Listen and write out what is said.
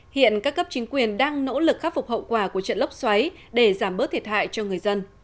hiện các cấp chính quyền đang nỗ lực khắc phục hậu quả của trận lốc xoáy để giảm bớt thiệt hại cho người dân